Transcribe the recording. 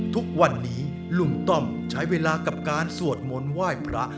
ทุกวันนี้ลุงต้อมใช้เวลากับการสวดมนต์ไหว้พระ